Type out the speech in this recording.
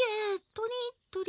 とりとり。